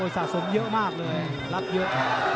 สะสมเยอะมากเลยรับเยอะ